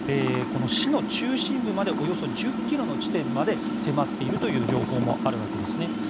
この市の中心部までおよそ１０ｋｍの地点まで迫っているという情報もあるわけですね。